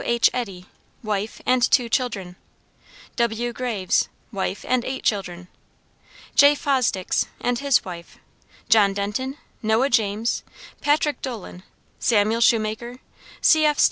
H. Eddy, wife, and two children; W. Graves, wife, and eight children; Jay Fosdicks, and his wife; John Denton, Noah James, Patrick Dolan, Samuel Shoemaker, C. F.